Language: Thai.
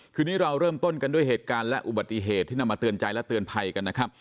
คืนนี้เราเริ่มต้นกันด้วยเหตุการณ์และอุบัติเหตุที่นำมาเตือนใจและเตือนภัยกันนะครับ